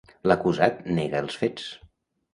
L'acusat nega els fets.